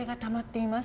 いきます。